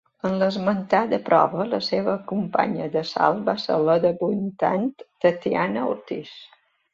En l'esmentada prova la seva companya de salt va ser la debutant Tatiana Ortiz.